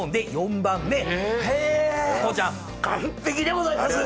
こうちゃん完璧でございます。